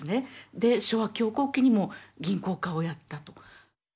で昭和恐慌期にも銀行家をやったと。